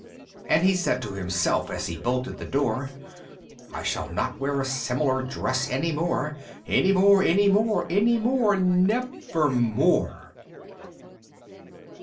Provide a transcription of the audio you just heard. And he said to himself as he bolted the door, "I will not wear a similar dress any more, "Any more, any more, any more, never more!"